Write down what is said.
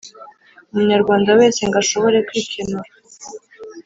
umunyarwanda wese ngo ashobore kwikenura.